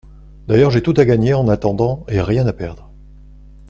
D'ailleurs, j'ai tout à gagner en attendant et rien à perdre.